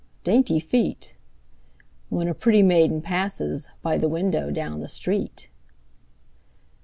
"Dainty feet!" When a pretty maiden passes By the window down the street.